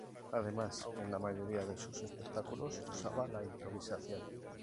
Además en la mayoría de sus espectáculos usaba la improvisación.